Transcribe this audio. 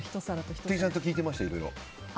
店員さんに聞いてましたいろいろ。